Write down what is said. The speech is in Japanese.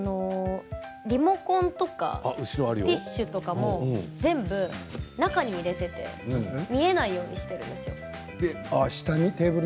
リモコンとかティッシュとかも全部、中に入れていて見えないようにしているんです。